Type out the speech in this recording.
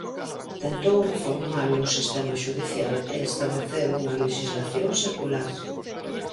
Tentou reformar o sistema xudicial e establecer unha lexislación secular.